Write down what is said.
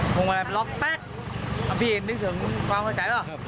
พวงมาลัยล็อกแป๊กพี่เห็นนึกถึงความเข้าใจหรอ